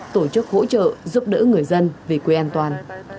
tổ chức hỗ trợ giúp đỡ người dân về quê an toàn